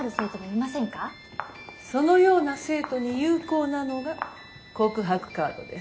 そのような生徒に有効なのが告白カードです。